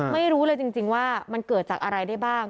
ไม่รู้เลยจริงว่ามันเกิดจากอะไรได้บ้าง